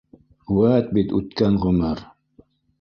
Үәт бит үткән ғүмер